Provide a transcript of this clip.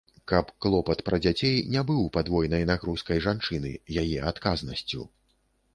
Каб клопат пра дзяцей не быў падвойнай нагрузкай жанчыны, яе адказнасцю.